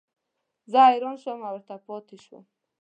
زه حیران شوم او ورته پاتې شوم.